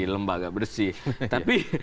lembaga bersih tapi